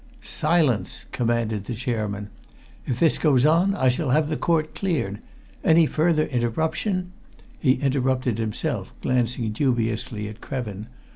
"Silence!" commanded the chairman. "If this goes on, I shall have the court cleared. Any further interruption " He interrupted himself, glancing dubiously at Krevin.